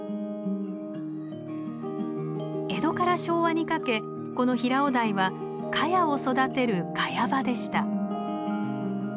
江戸から昭和にかけこの平尾台はカヤを育てるカヤ場でした。